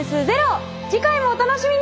次回もお楽しみに！